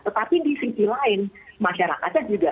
tetapi di sisi lain masyarakatnya juga